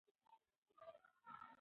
ویډیوګانو ته د کیفیت له مخې پام وکړئ.